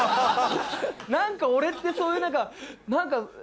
何か俺ってそういう何か。